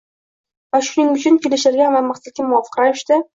va shuning uchun “kelishilgan va maqsadga muvofiq ravishda” -